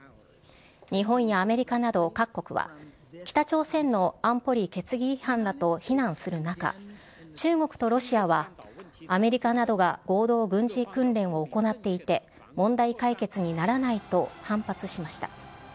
日本やアメリカなど各国は、北朝鮮の安保理決議違反だと非難する中、中国とロシアはアメリカなどが合同軍事訓練を行っていて、問題解決にならないと反発しました。